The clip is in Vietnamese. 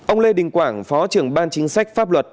ông lê đình quảng phó trưởng ban chính sách pháp luật